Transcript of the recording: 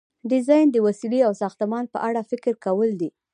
ډیزاین د وسیلې او ساختمان په اړه فکر کول دي.